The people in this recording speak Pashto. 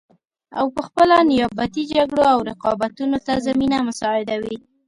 او پخپله نیابتي جګړو او رقابتونو ته زمینه مساعدوي